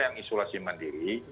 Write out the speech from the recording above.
yang isolasi mandiri